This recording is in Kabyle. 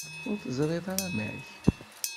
Ur teẓriḍ ara amek?